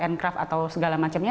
atau karya kraft atau segala macamnya